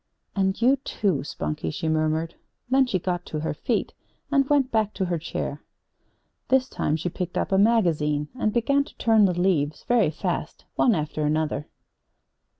"And you, too, Spunkie," she murmured. Then she got to her feet and went back to her chair. This time she picked up a magazine and began to turn the leaves very fast, one after another.